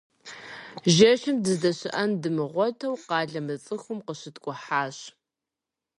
Жэщым дыздэщыӏэн дымыгъуэту къалэ мыцӏыхум къыщуткӏухьащ.